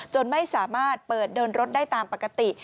ไม่สามารถเปิดเดินรถได้ตามปกติ